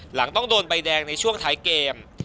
หลังต้องโดนใบแดงในช่วงท้ายเกม